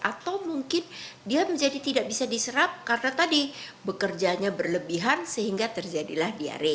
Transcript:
atau mungkin dia menjadi tidak bisa diserap karena tadi bekerjanya berlebihan sehingga terjadilah diare